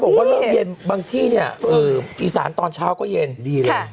บอกว่าเริ่มเย็นบางที่เนี่ยอีสานตอนเช้าก็เย็นดีเลย